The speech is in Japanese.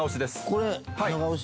これ長押し。